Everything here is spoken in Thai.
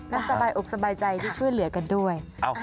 และสบายอกสบายใจได้ช่วยเหลือกันด้วย